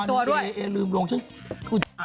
เขาแต่งตัวด้วยมีวันเอ๊ลืมลงฉันคุณแม่